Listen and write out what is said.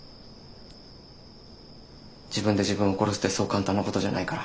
自分で自分を殺すってそう簡単なことじゃないから。